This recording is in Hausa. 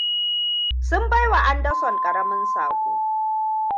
Sun baiwa Anderson ƙaramin saƙo.